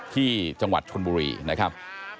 ที่จชนบุรีนะครับ